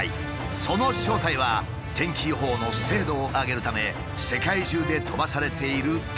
その正体は天気予報の精度を上げるため世界中で飛ばされている観測器。